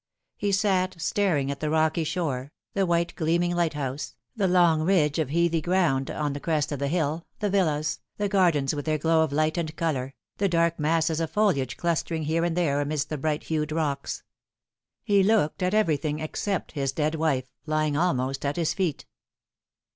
He sat staring at the rocky shore, the white gleaming lighthouse, the long ridge of heathy ground on the crest of the hill, the villas, the gardens with their glow of light and colour, the dark masses of foliage clustering here and there amidst the bright hued rocks. He looked at everything except his dead wife, Iving almost at his feet.